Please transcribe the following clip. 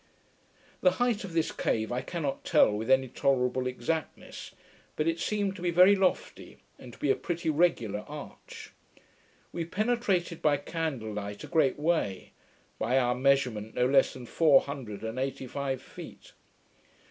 The height of this cave I cannot tell with any tolerable exactness: but it seemed to be very lofty, and to be a pretty regular arch. We penetrated, by candlelight, a great way; by our measurement, no less than four hundred and eighty five feet.